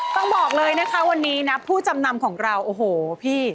ต้องบอกเลยนะคะวันนี้นะผู้จำนำของเราโอ้โหพี่